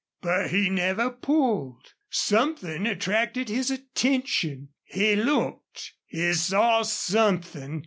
But he never pulled. Something attracted his attention. He looked. He saw something.